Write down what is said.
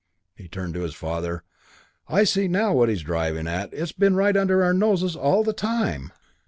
He turned to his father. "I see now what he's been driving at. It's been right here under our noses all the time.